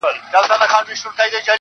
زما په لاس كي هتكړۍ داخو دلې ويـنـمـه.